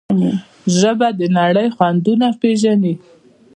ژبه د نړۍ خوندونه پېژني.